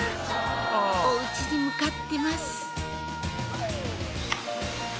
お家に向かってます